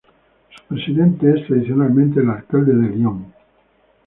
Su presidente es tradicionalmente el alcalde de Lyon.